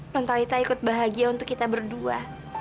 nuntaita ikut bahagia untuk kita berdua